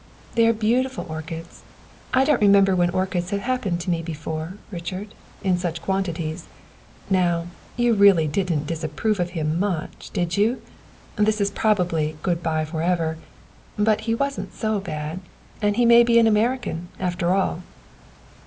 "They are beautiful orchids. I don't remember when orchids have happened to me before, Richard in such quantities. Now, you really didn't disapprove of him so much, did you? This is probably good by forever, but he wasn't so bad; and he may be an American, after all."